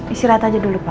istirahat aja dulu pak